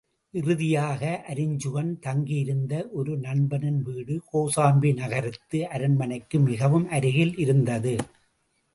இறுதியாக அருஞ்சுகன் தங்கியிருந்த ஒரு நண்பனின் வீடு கோசாம்பி நகரத்து அரண்மனைக்கு மிகவும் அருகில் இருந்தது.